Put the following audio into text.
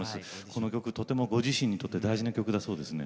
この曲、ご自身にとってとても大事な曲だそうですね。